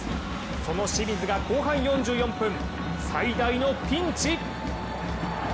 その清水が後半４４分、最大のピンチ。